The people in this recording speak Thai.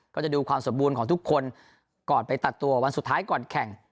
ก็จะดูความสมบูรณ์ของทุกคนก่อนไปตัดตัววันสุดท้ายก่อนแข่ง